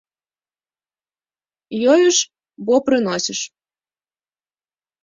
Ёю ж бо прыносіш.